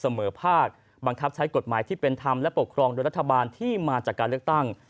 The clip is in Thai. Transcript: เสมอภาคบังคับใช้กฎหมายที่เป็นธรรมและปกครองโดยรัฐบาลที่มาจากการเลือกตั้ง